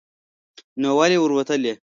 نو ولې ور وتلی ؟